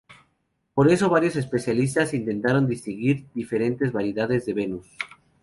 Por eso, varios especialistas intentaron distinguir diferentes variedades de venus.